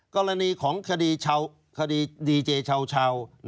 กรณีของคดีชาว